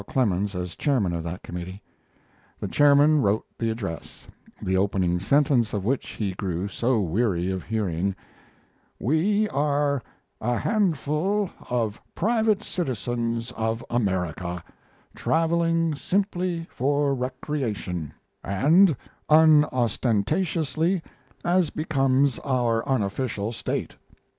Clemens as chairman of that committee. The chairman wrote the address, the opening sentence of which he grew so weary of hearing: We are a handful of private citizens of America, traveling simply for recreation, and unostentatiously, as becomes our unofficial state.